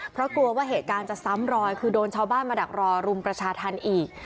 เพราะกลัวว่าเหตุการณ์จะซ้ำรอยคือโดนชาวบ้านมาดักรอรุมประชาธรรมอีก